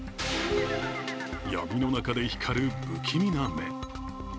闇の中で光る不気味な目。